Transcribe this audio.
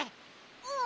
うん。